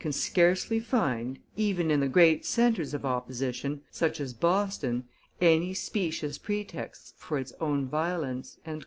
can scarcely find, even in the great centres of opposition, such as Boston, any specious pretexts for its own violence" [M.